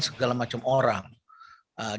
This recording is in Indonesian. sebagai satu pamer kekayaan yang ditawarkan